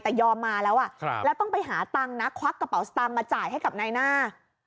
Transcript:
แต่ยอมมาแล้วแล้วต้องไปหาตังค์นะควักกระเป๋าสตางค์มาจ่ายให้กับนายหน้า